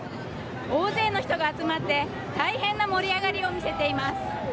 大勢の人が集まって大変な盛り上がりを見せています。